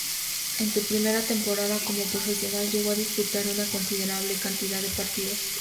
En su primera temporada como profesional llegó a disputar una considerable cantidad de partidos.